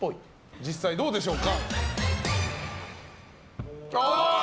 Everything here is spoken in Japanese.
実際どうでしょうか？